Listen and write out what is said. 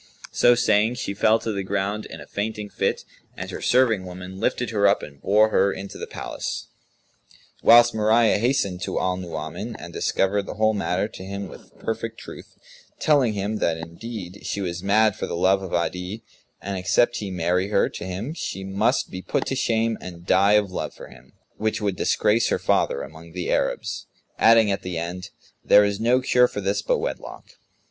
So saying, she fell to the ground in a fainting fit, and her serving women lifted her up and bore her into the palace; whilst Mariyah hastened to Al Nu'uman and discovered the whole matter to him with perfect truth, telling him that indeed she was mad for the love of Adi; and except he marry her to him she must be put to shame and die of love for him, which would disgrace her father among the Arabs, adding at the end, "There is no cure for this but wedlock."